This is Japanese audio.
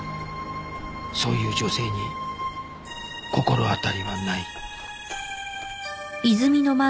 「そういう女性に心当たりはない」